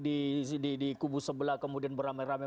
di kubu sebelah kemudian beramai ramai